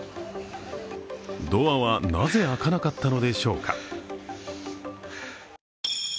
ドアは、なぜ開かなかったのでしょうか。